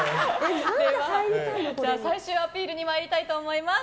最終アピールに参りたいと思います。